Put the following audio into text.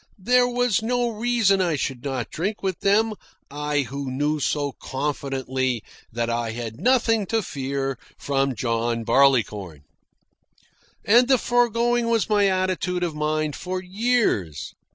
There was no reason I should not drink with them I who knew so confidently that I had nothing to fear from John Barleycorn. And the foregoing was my attitude of mind for years.